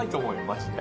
マジで。